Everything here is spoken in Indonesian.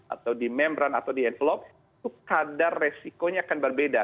atau di membran atau di evelop itu kadar resikonya akan berbeda